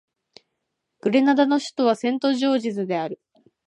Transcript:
グレナダの首都はセントジョージズである